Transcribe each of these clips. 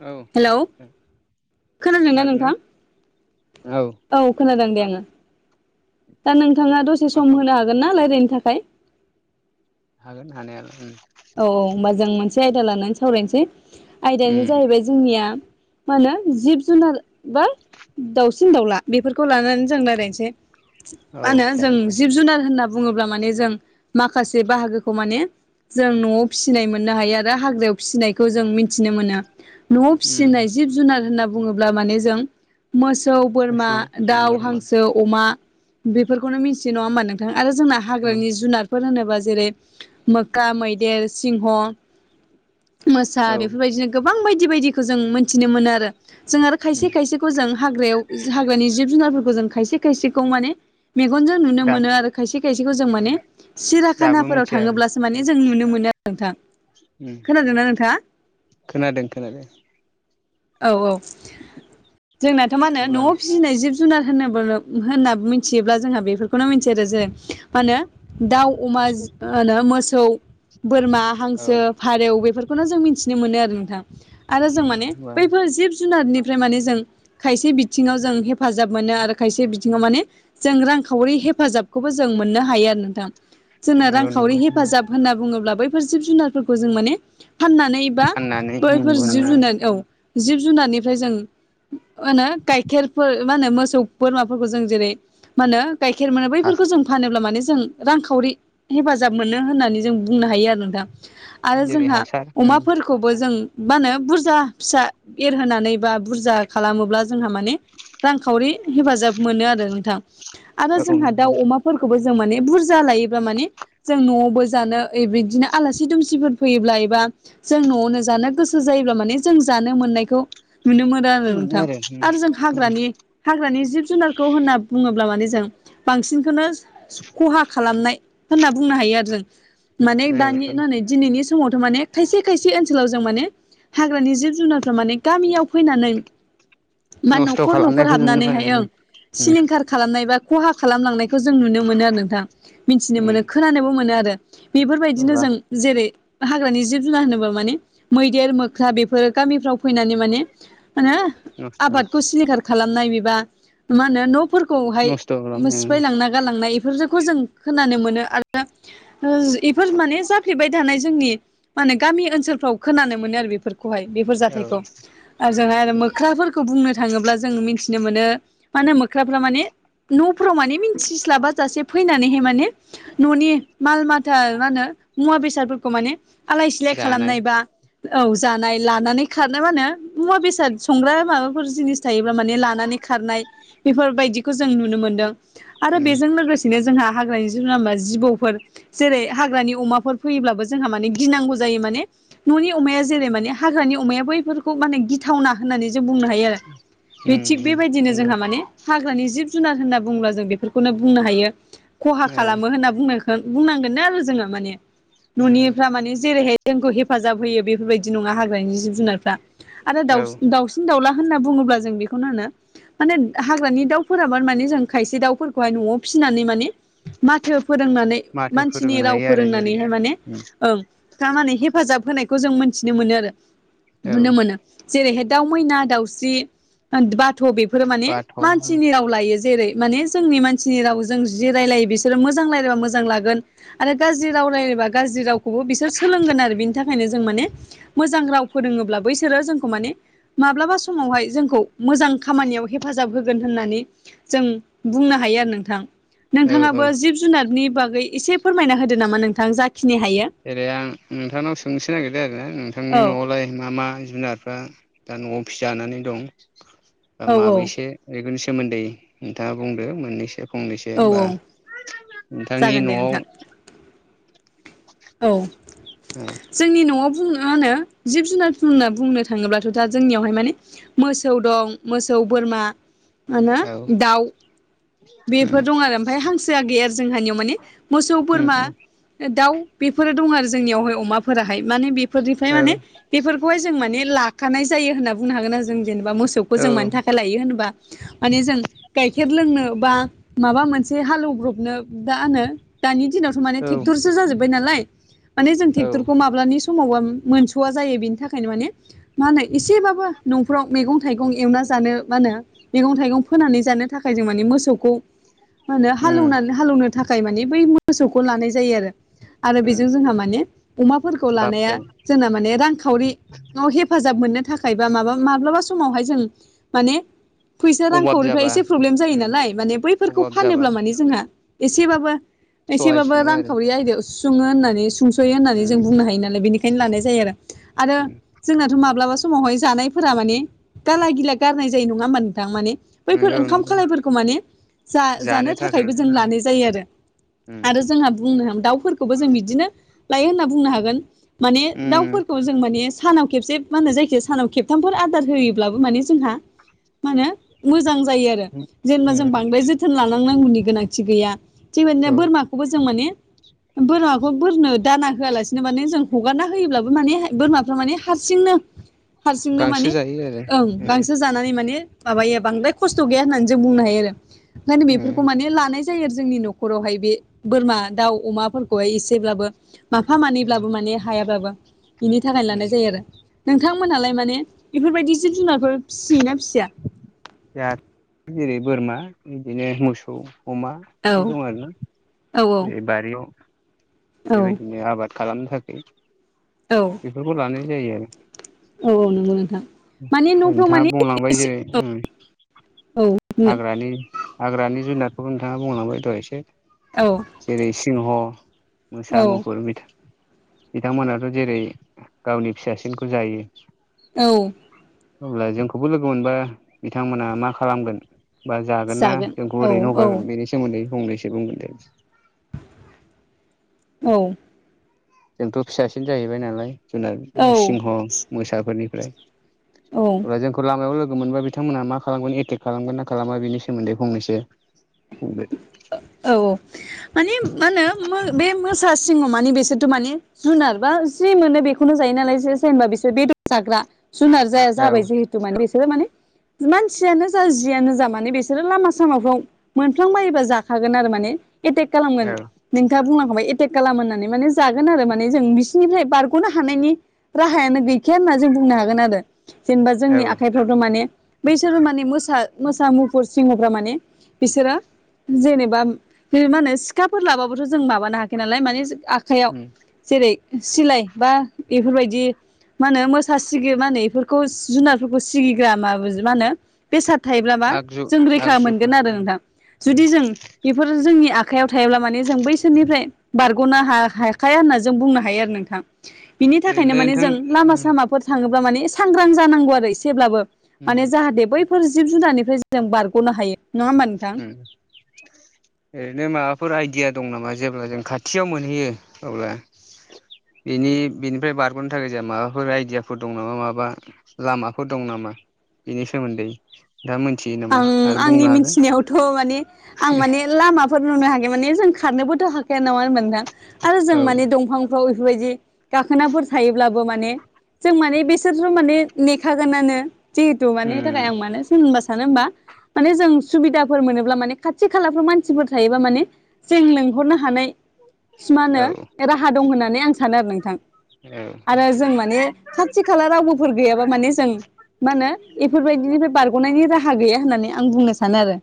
औ हेलौ खोनादोंना नोंथां औ खोनादों दे आङो। दा नोंथाङा दसे मा सम खालाम होनो हागोन ना रायलायनो थाखाय। हागोन हानायालाय ओम औ औ होमबा जों मोनसे आयदा लानानै सावरायनोसै आयदायानो उम जाहैबाय जोंनिया मा होनो जिब जुनाल बा दाउसिन दाउला बेफोरखौ लानानै जों रायलायसै। औ मा होनो जों जागोन दे जिब जुनार होनना बुङोब्ला माने जों माखासे बाहागोखौ माने जों न'आव फिसिनाय मोननो हायो आरो हाग्रायाव फिसिनायखौ जों मिनथिनो मोनो। न'आव उम फिसिनाय जिब जुनार होनना बुङोब्ला माने जों मोसौ बोरमा मोसौ दाउ बोरमा हांसो अमा। बेफोरखौनो मिथियो नङा होमबा नोंथां आरो जोंना उम हाग्रानि जुनारफोर होनोबा जेरै- गा मैदेर सिंह मोसा औ उम बेफोरबायदिनो गोबां बायदि बायदिखौ जों मोनथिनो मोनो आरो जों आरो खायसे खायसे खौ जों हाग्रायाव हाग्रानि जिब जुनारफोरखौ जों खायसे खायसेखौ माने मेगनजों नुनो दा मोनो आरो खायसे खायसेखौ जों माने दाबो सिराखानाफोराव मिथिया आरो थाङोब्लासो माने जों नुनो मोनो [unintelligible] नोंथां। उम खोनादोंना नोंथाङा खोनादों खोनादों औ औ। जोंनाथ' मा होनो अब्ला न'आव आं फिसिनाय जिब जु जुनार होनोबो होनना मिथियोब्ला जोंहा बेफोरखौनो मिथियो आरो जेरै मा होनो दाउ अमा मोसौ होनो मोसौ बोरमा औ हांसो फारौ बेफोरखौनो जों मिथिनो मोनो आरो नोंथां आरो जों माने होनबा बैफोर जिब जुनारनि फ्राय माने जों खायसे बिथिङाव जों हेफाजाब मोनो आरो खायसे बिथिङाव माने जों रांखावरि हेफाजाबखौबो जों मोननो हायो आरो नोंथां। जोंना नंगौ रांखावरि नंगौ हेफाजाब होनना बुङोब्ला बैफोर जिब जुनारफोरखौ जों माने फाननानै बा फाननानै बैफोर जिब मोननाय जुनार औ जिब जुनारनिफ्राय जों होनो गाइखेरफोर मा होनो मोसौ बोरमाफोरखौ जों जेरै मा होनो गाइखेर मोनो हास बैफोरखौ जों फानोब्ला माने जों रांखावरि हेफाजाब मोनो होननानै जों बुंनो हायो आरो नोंथां आरो जेरै जोंहा हासार उम अमा फोर खौबो जों मा होनो बुरजा फिसा एरहोनानै बा बुरजा खालामोब्ला जोंहा माने रांखावरि हेफाजाब मोनो आरो नोंथां। आरो औ जोंहा दाउ मोनो अमाफोरखौबो जों माने बुरजा लायोब्ला माने जों न'आवबो जानो ए बिदिनो आलासि दुमसिफोर फैयोब्ला एबा जों न'आवनो जानो गोसो जायोब्ला माने जों जानो मोननायखौ नुनो मोन नो आरो नोंथां आरो जों हाग्रानि हाग्रानि जिब जुनारखौ होनना बुङोब्ला माने जों बांसिनखोनो खहा खालामनाय होनना बुंनो हायो आरो जों माने औ औ दानि औ नै दिनैनि समावथ' माने खायसे खायसे ओनसोलाव जों माने हाग्रानि जिब जुनारफ्रा माने गामियाव फैनानै बा नस्थ' न'खर न'खर खालामनायखौ नुनो हाबनानैहाय मोनो ओं उम सिलिंखार खालामनाय बा खहा खालामलांनायखौ जों नुनो मोनो आरो नोंथां मिनथिनो उम मोनो खोनानोबो मोनो आरो। बेफोरबायदिनो अब्ला जों जेरै हाग्रानि जिब जुनार होनोब्ला माने मैदेर मोख्ला बेफोरो गामिफ्राव फैनानै माने होनो नस्थ' आबादखौ सिलिखार खालामनाय बेबा मा होनो न'फोरखौहाय नस्थ' खालामनाय सिफायलांना गालांनाय बेफोरखौ जों खोनानो मोनो आरो इफोर माने जाफ्लेबाय थानाय जोंनि माने गामि ओनसोलफ्राव खोनानो मोनो आरो बेफोर। खौहाय बेफोर औ जाथायखौ ओजोंहाय‌ आरो मोख्राफोर बुंनो थाङोब्ला जों मिथिनो मोनो मा होनो मोख्राफ्रा माने न'फोराव माने मिथिस्लाबाजासे फैनानैहाय माने न'नि माल माथा मा होनो मुवा बेसादफोरखौ माने आलाय सिलाय जानाय खालामनाय बा औ जानाय लानानै खारनाय माहोनो मुवा बेसाद संग्रा माबा बेफोर जिनिस थायोब्ला माने लानानै खारनाय बेफोरबायदिखौ जों नुनो मोन्दों। आरो उम बेजों लोगोसेनो जोंहा हाग्रानि जिब जुनार होनबा जिबौफोर जेरै हाग्रानि अमाफोर फैयोब्लाबो जोंहा माने गिनांगौ जायो माने न'नि अमाया जेरै माने हाग्रानि अमाया बैफोरखौ माने गिथावना होननानै जों बुंनो हायो। बे उम थिग उम बेबायदिनो नंगौ जोंहा माने हाग्रानि जिब जुनार होनना बुङोब्ला जों बेफोरखौनो बुंनो हायो। खहा औ खालामो होनना बुंनायखौ बुंनांगोनो आरो जोङो माने उम न'निफ्रा माने जेरैहाय जोंखौ हेफाजाब होयो बेफोरबायदि नङा हाग्रानि जिब जुनारफ्रा आरो औ दाउसिन दाउसिन दाउला होनना बुङोब्ला जों बेखौनो होनो माने हाग्रानि दाउफोराबा माने जों खायसे दाउफोरखौहाय न'आव फिसिनानै माने माथो फोरोंनानै माथो मानसिनि फोरोंनो राव हायो आरो जेरै फोरोंनानैहाय माने उम ओं लानानै हेफाजाब होनायखौ जों मोनथिनो मोनो आरो औ नुनो मोनो जेरैहाय दाउ मैना दाउ सावस्रि बाथ' बेफोरो माने बाथ' औ मानसिनि राव लायो। जेरै माने जोंनि मानसिनि रावजों जि रायलायो बिसोरो मोजां रायलायबा मोजां लागोन। आरो गाज्रि राव रायलायबा गाज्रि रावखौबो बिसोर सोलोंगोन आरो बिनि थाखायनो जों माने मोजां राव फोरोङोब्ला बैसोरो जोंखौ माने माब्लाबा समावहाय जोंखौ मोजां खामानियाव हेफाजाब होगोन होननानै जों बुंनो हायो आरो नोंथां। औ नोंथाङाबो जिब जुनारनि बागै एसे फोरमायना होदो नामा नोंथां जाखिनि हायो? जेरै आं नोंथांनाव सोंनोसो नागिरदों आरो नोंथांनि औ न'आवलाय मा मा जुनार रा दा न'आव फिजानानै दं दा औ माबैसे बेफोरनि सोमोन्दै नोंथाङा बुंदो मोननैसो? फंनैसो औ औ बा नोंथांनि जागोन दे न'आव नोंथां औ औ जोंनि न'आव बुंनो मा होनो जिब जुनार जुनना बुंनो थाङोब्लाथ' दा जोंनियावहाय माने मोसौ दं मोसौ बोरमा माहोनो औ दाउ बेफोर उम दं आरो ओमफाय हांसोआ गैया आरो जोंहानियाव माने। मोसौ बोरमा उम दाउ बेफोरो दं आरो जोंनियावहाय अमाफोराहाय माने बे निफ्राय औ माने बेफोरखौहाय जों माने लाखानाय जायो होनना बुंनो हागोननाा जों जेनेबा मोसौखौ औ जों मानि थाखाय लायो होनबा माने जों गाइखेर लोंनो बा माबा मोनसे हालेवब्रबनो दा होनो दानि दिनावथ' माने औ टेक्टरसो जाजोबबाय नालाय माने जों औ ट्रेक्टरखौ माब्लानि समावबा मोनस'वा जायो बेनि थाखायनो माने मा होनो एसेबाबो न'फ्राव मैगं थाइगं एवना जानो मा होनो मैगं थाइगं फोनानै जानो थाखाय जों माने मोसौखौ मा होनो उम हालेवनानै हालौनो थाखाय मानिे बै मोसौखौ लानाय जायो आरो। आरो उम बेजों जोंहा माने अमाफोरखौ लाब लानाया जायो जोंना माने रांखावरिआव हेफाजाब मोननो थाखाय बा माबा माब्लाबा समावहाय जों माने फैसा अभाब रांखावरिफ्रा जाबा एसे प्रब्लेम जायो उम नालाय माने बैफोरखौ अभाब जाबा फानोब्ला माने जोंहा एसेबाबो सहाय एसेबाबो सङो आरो रांखावरि आयदायाव सुफुङो होननानै सुखयो होननानै उम जों बुंनो हायो नालाय बेनिखायनो लानाय जायो आरो उम आरो जोंनाथ' माब्लाबा समावहाय जानायफोरा माने गाला गिला गारनाय जायो नङा होमबा नोंथां माने बैफोर नंगौ ओंखाम नंगौ खालायफोरखौ माने जा जानो थाखाय थाखायबो जों उम लानाय जायो आरो उम आरो जोंहा [unintelligible] दाफोरखौबो जों बिदिनो लायो होनना बुंनो हागोन माने उम दाउफोरखौ जों माने सानाव खेबसे मा होनो जायखिया सानाव खेबथामफोर आदार होयोब्लाबो माने जोंहा मा होनो मोजां जायो आरो जेनेबा जों उम बांद्राय जोथोन लानांनांगौनि गोनांथि गैया बेबायदिनो औ बोरमाखौबो जों माने बोरमाखौ बोरनो दाना होआलासिनो माने जों हगारना होयोब्लाबो माने बोरमाफ्रा माने हारसिंनो हारसिंनो गांसो माने जायो आरो ओं उम गांसो [unintelligible] जायो उम जोंनि न'खरावहाय बे बोरमा दाउ अमाफोरखौहाय एसेब्लाबो माफा मानैब्लाबो माने हायाब्लाबो बिनि थाखायनो उम लानाय जायो आरो नोंथांमोनहालाय माने बेफोरबायदि जिब जुनारफोर फिसियोना फिसिया जोहा जेरै बोरमा बिदिनो मोसौ अमा औ बे दं आरोना औ रै बारियाव औ बेबायदिनो आबाद खालामनो थाखाय औ बेफोरखौ लानाय जायो आरो औ औ नंगौ नोंथां माने न'फ्राव नोंथाङा माने बुंलांबाय जेरै औ हाग्रानि हाग्रानि जुनारखौबो नोंथाङा बुंलांबाय दहाय एसे औ जेरै सिंह औ मोसा मुफुर बिथांमोनाथ' जेरै गावनि फिसासिनखौ जायो औ अब्ला जोंखौबो लोगो मोनबा बिथांमोना मा खालामगोन बा जागोन ना जोंखौ औ ओरैनो हगारगोन बेनि सोमोन्दै फंनैसो बुंगोन दे औ जोंथ' फिसासिन जाहैबाय नालाय जुनारनो सिंह मोसाफोरनिफ्राय औ अब्ला जोंखौ लामायाव लोगो मोनबा बिथांमोना मा खालामगोन एटेक खालामगोन ना खालामगोन बेनि सोमोन्दै फंनैसो बुंदो दे औ माने मा होनो बे मोसा सिङाव मानिे बेसोरथ' माने जुनार बा जि मोनो बेखौनो जायो नालाय जेनबा बिसोर बेदर जाग्रा जुनार जाया औ जाबाय जिहेतु माने बिसोरो माने मानसियानो जा जियानो जा माने बिसोरो लामा सामाफ्राव नुंफ्लां बायोबा जाखागोन आरो माने एटेक खालामगोन औ नोंथाङा बुंनांखौ एटेक खालाम होननानै माने जागोन आरो माने जों बिसिोरनिफ्राय बारग'नो हानायनि राहायानो गैखाया होनना जों बुंनो हागोन आरो जेनेबा जोंनि औ आखाइ माने बैसोर माने मो मोसा मुफुर सिङहफ्रा माने बिसोरो जेनेबा मा होनो सिखाफोर लाबाबोथ' जों माबानो हायाखै नालाय मानिे आखाइयाव उम जेरै सिलाय बा बेफोरबायदि मा होनो मोसा सिगयो म होनो बेफोरखौ जुनारफोरखौ सिगिग्रा म मा होनो बेसाद थायोब्लाबा आगजु जों रैखा आगजुफोर मोनगोन आरो उम नोंथां उम जुदि जों बेफोर जोंनि आखाइयाव थायोब्ला माने जों बैसोरनिफ्राय बारग'नो ह हाखाया होनना जों बुंनो हायो आरो नोंथां बिनि थाखायनो ओरैनोलाय माने जों नोंथां लामा उम सामाफोर थाङोब्ला माने सांग्रां जानांगौ आरो एसेब्लाबो उम माने जाहाथे बैफोर जिब जुनारनिफ्राय जों बारग'नो हायो नङा होमबा नोंथां उम [unintelligible] ओरैनो माबाफोर आइदिया दं नामा जेब्ला जों खाथियाव मोनहैयो अब्ला बेनि बेनिफ्राय बारग'नो थाखाय जोंहा माबाफोर आइडियाफोर दं नामा माबा लामाफोर दं नामा बेनि सोमोन्दै दा मोनथियो नामा आरो बुंनो हागोन थ' माने आं माने लामाफोर नुनो हाग माने जों खारनोबोथ' हाखाया नामा मोनदां आरो जों औ मानि दंफां बेफोरबायदि गाखोनाफोर थायोब्लाबो माने जों माने बेसोरसो माने नेखागोनानो जिहेथु मानि उम थाखाय आं मानो सोरब सानो होमबा माने जों सुबिदाफोर मोनोब्ला माने खाथि खालाफ्राव मानसिफोर थायोबा माने जों लेंंहरनो हानाय सिमानो औ राहा दं होननानै आं सानो आरो नोंथां औ आरो जों माने खाथि खाला रावबोफोर गैयाबा माने जों मा होनो बेफोरबायदिनिफ्राय बारग'नायनि राहा रा गैया होननानै आं बुंनो सानो आरो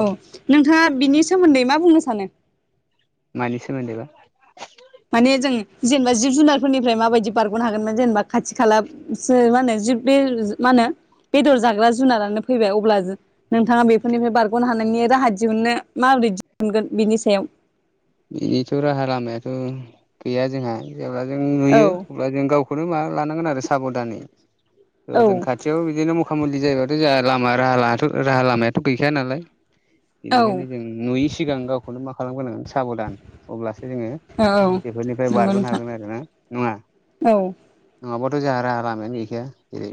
औ नोंथाङा बिनि सोमोन्दै मा बुंनो सानो मानि सोमोन्दै बा माने जों जेनेबा जिब जुनारफोरनिफ्राय माबायदि बारग'नो हागोनमोन जेनेबा खाथि खाला मा होनो जि बे मा होनो बेदर जाग्रा जुनारानो फैबाय अब्ला नोंथाङा बेफोरनिफ्राय बारग'नो हानायनि राहा दिहुननो माबोरै दिहुनगोन बिनि सायाव बिनिथ' राहा लामायाथ' गैया जोंहा जेब्ला जों औ नुयो जों गावखौनो माबा लानांगोन आरो साबधानैा औ जों खाथि खाथियाव बिदिनो मखा मुलि जायोबाथ' जोंहा लामा राहा लामायाथ' गैखाया नालाय औ बेनिखायनो जों नुयै सिगां गावखौनो मा खालामग्रोनांगोन साबधान अब्लासो जोङो औ औ बेफोरनिफ्राय नंगौ बारग'नो नोंथां हागोन आरोोना नङा औ नङाबाथ' जोंहा राहा लामायानो गैखाया जेरै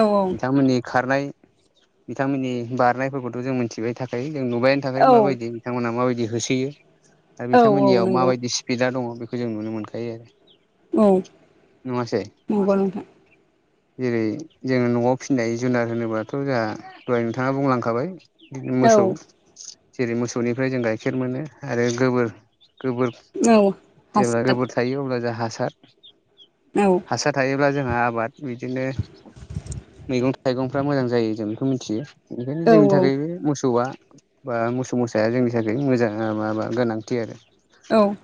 औ बिथांमोननि खारनाय बिथांमोननि बारनायफोरखौथ' जों मोनथिबाय थाखाय जों नुबायनि थाखाय औ माबायदि बिथांमोनहा माबायदि होसोयो आरो औ औ बिथांमोननियाव नंगौ माबायदि स्पिडा दङ बेखौ जों नुनो मोनखायो औ आरो नङासै नंगौ नोंथां जेरै जोङो न'आव फिसिनाय जुनार होनोब्लाथ' जोंहा दहाय नोंथाङा बुंलांखाबाय मोसौ औ जेरै मोसौनिफ्राय जों गाइखेर मोनो आरो गोबोर गोबोर औ जेब्ला हासार गोबोर थायो अब्ला जों हासार न हासार थायोब्ला जोंहा आबाद बिदिनो मैगं थाइगंफ्रा मोजां जायो जों बेखौ मिथियो ओंखायनो औ जोंनि थाखाय बे औ मोसौआ बा मोसौ मोसाया जोंनि थाखाय मोजां माबा गोनांथि आरो औ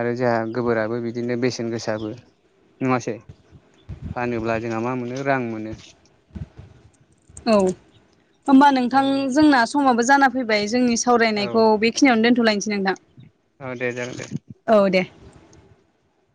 आरो जोंहा गोबोराबो बिदिनो बेसेन गोसाबो नङासै फानोब्ला जोंहा मा मोनो रां मोनो [unintelligible] औ होमबा औ नोंथां जोंना समाबो जाना फैबाय जोंनि औ सावरायनायखौ बे खिनियावनो दोनथ' लायनोसै नोंदां औ दे जागोन दे औ दे